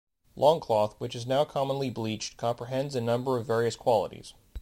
Longcloth, which is now commonly bleached, comprehends a number of various qualities.